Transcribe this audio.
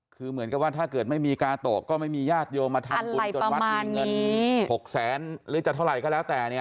คือเหมือนกับว่าถ้าเกิดไม่มีกาโตะก็ไม่มีญาติโยมมาทำบุญจนวัดมีเงิน๖แสนหรือจะเท่าไหร่ก็แล้วแต่เนี่ย